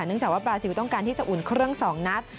จากว่าบราซิลต้องการที่จะอุ่นเครื่อง๒นัด